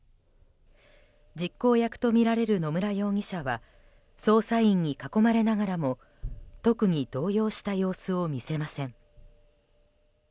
実行役とみられる野村容疑者は捜査員に囲まれながらも特に動揺した様子を見せません。